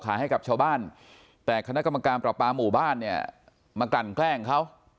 ให้กับชาวบ้านแต่คณะกรรมการประปาหมู่บ้านเนี่ยมากลั่นแกล้งเขา